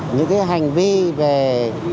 những cái hành vi về